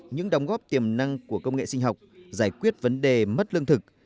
những đóng góp tiềm năng của công nghệ sinh học giải quyết vấn đề mất lương thực